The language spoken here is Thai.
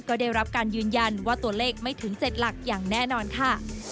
ก็ได้รับการยืนยันว่าตัวเลขไม่ถึง๗หลักอย่างแน่นอนค่ะ